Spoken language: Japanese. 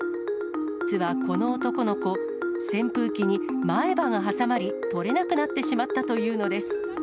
実はこの男の子、扇風機に前歯が挟まり、取れなくなってしまったというのです。